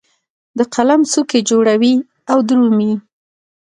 د قلم څوکې جوړوي او درومې